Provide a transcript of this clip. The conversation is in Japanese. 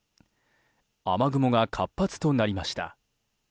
雨雲が活発となりました。